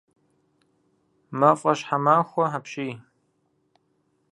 Мафӏэщхьэмахуэ апщий!